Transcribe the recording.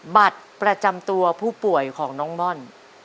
บัตรประจำตัวผู้ป่วยของน้องม่อน